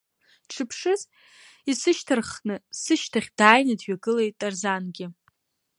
Сшыԥшыз, исышьҭарххны сышьҭахь дааины дҩагылеит Тарзангьы.